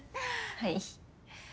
はい。